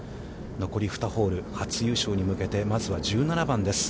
残り２ホール、初優勝に向けて、まずは１７番です。